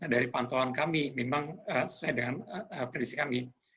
dari pantauan kami memang sesuai dengan prediksi kami